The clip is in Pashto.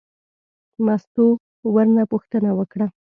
مستو ورنه پوښتنه وکړه.